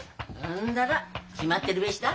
んだら決まってるべした。